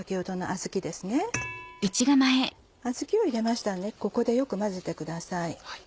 あずきを入れましたらここでよく混ぜてください。